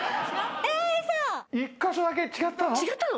１カ所だけ違ったの？